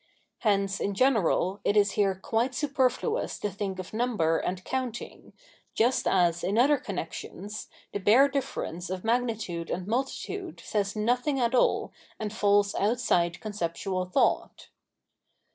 Hence, in general, it is here quite superfluous to think of number and counting, just as, in other connexions, the bare difference of magnitude and multitude says nothing at all and falls outside conceptual thought.